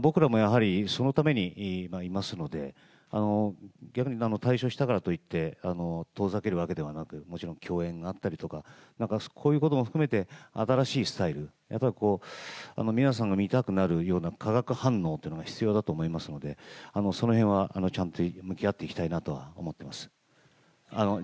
僕らもやはりそのためにいますので、逆に退所したからといって、遠ざけるわけではなく、もちろん共演があったりとか、なんかこういうことも含めて、新しいスタイル、やっぱりこう、皆さんが見たくなるような化学反応というのが必要だと思いますので、そのへんはちゃんと向き合っていきたいなとは思っています。